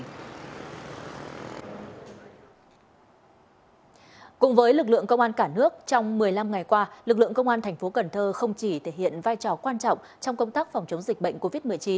một mươi năm ngày qua lực lượng công an tp cần thơ không chỉ thể hiện vai trò quan trọng trong công tác phòng chống dịch bệnh covid một mươi chín